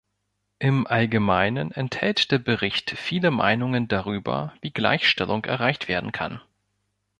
Im Allgemeinen enthält der Bericht viele Meinungen darüber, wie Gleichstellung erreicht werden kann.